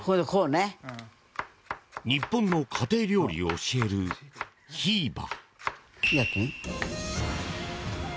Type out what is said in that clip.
日本の家庭料理を教えるひーば。